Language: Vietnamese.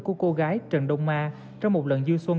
của cô gái trần đông a trong một lần dư xuân